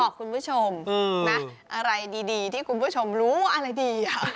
คุณผู้ชมนะอะไรดีที่คุณผู้ชมรู้ว่าอะไรดี